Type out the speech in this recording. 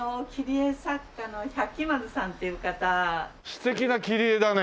素敵な切り絵だね。